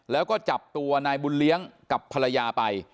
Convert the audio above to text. แล้วก็จับตัวนายบุญเลี้ยงกับภรรยาไป